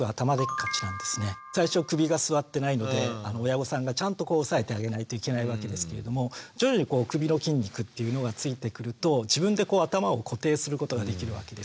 最初首がすわってないので親御さんがちゃんと押さえてあげないといけないわけですけれども徐々に首の筋肉っていうのがついてくると自分で頭を固定することができるわけです。